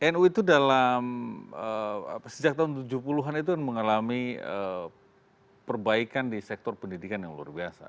nu itu dalam sejak tahun tujuh puluh an itu mengalami perbaikan di sektor pendidikan yang luar biasa